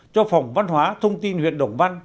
cho phòng văn hóa thông tin huyện đồng văn